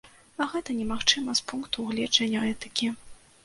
А гэта немагчыма з пункту гледжання этыкі.